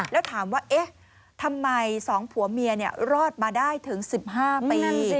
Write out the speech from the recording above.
แล้วถามว่าเอ๊ะทำไม๒ผัวเมียรอดมาได้ถึง๑๕ปี